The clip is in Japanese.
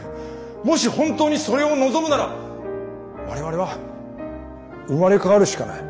もし本当にそれを望むなら我々は生まれ変わるしかない。